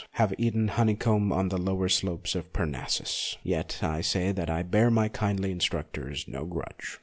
have eaten honeycomb on the lower slopes of Parnassus. Yet I say that I bear my kindly instructors no grudge.